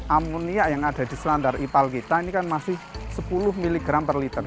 amonia yang ada di selandar ipal kita ini kan masih sepuluh mg per liter